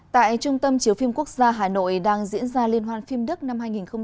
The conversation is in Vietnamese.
tại trung tâm chiếu phim quốc gia hà nội đang diễn ra liên hoan phim đức năm hai nghìn hai mươi